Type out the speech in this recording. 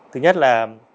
thứ nhất là